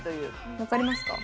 分かりますか？